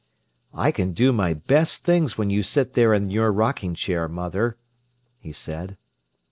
"I can do my best things when you sit there in your rocking chair, mother," he said.